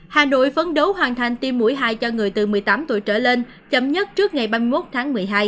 hà nội phấn đấu hoàn thành tiêm mũi hai cho người từ một mươi tám tuổi trở lên chậm nhất trước ngày ba mươi một tháng một mươi hai